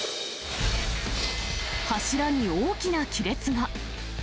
柱に大きな亀裂が。